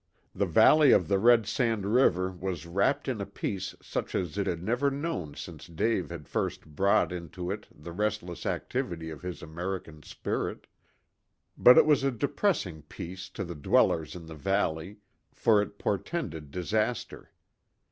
The valley of the Red Sand River was wrapped in a peace such as it had never known since Dave had first brought into it the restless activity of his American spirit. But it was a depressing peace to the dwellers in the valley, for it portended disaster.